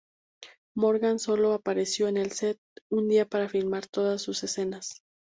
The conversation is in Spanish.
Morgan sólo apareció en el set un día para filmar todas sus escenas.